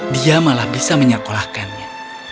dia malah bisa menyekolahkannya